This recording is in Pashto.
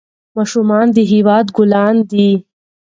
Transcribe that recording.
ماشومان د هېواد ګلان دي.